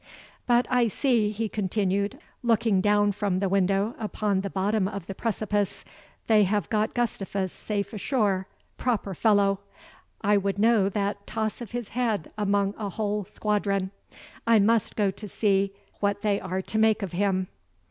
But I see," he continued, looking own from the window upon the bottom of the precipice, "they have got Gustavus safe ashore Proper fellow! I would know that toss of his head among a whole squadron. I must go to see what they are to make of him."